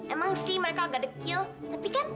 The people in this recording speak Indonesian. emang sih mereka agak dekil tapi kan mereka baik baik